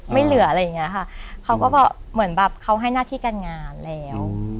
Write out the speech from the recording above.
ไม่เหลืออะไรอย่างเงี้ยค่ะเขาก็บอกเหมือนแบบเขาให้หน้าที่การงานแล้ว